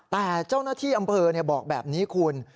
แต่เจ้าหน้าที่อำเภอบอกแบบนี้คุณ